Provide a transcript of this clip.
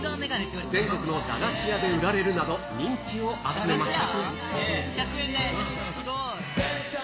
全国の駄菓子屋で売られるなど、人気を集めました。